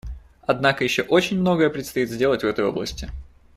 Однако еще очень многое предстоит сделать в этой области.